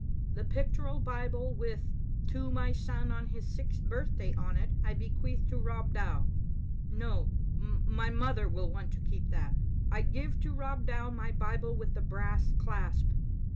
"The pictorial Bible with *To my son on his sixth birthday' on it, I bequeath to Rob Dow. No, my mother will want to keep that. I give to Rob Dow my Bible with the brass clasp.